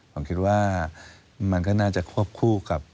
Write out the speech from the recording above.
ผมคิดว่ามันก็น่าจะควบคู่กับ